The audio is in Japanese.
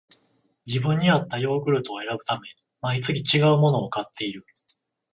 自分にあったヨーグルトを選ぶため、毎月ちがうものを買っている